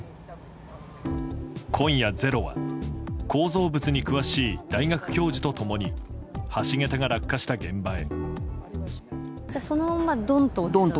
今夜、「ｚｅｒｏ」は構造物に詳しい大学教授と共に橋桁が落下した現場へ。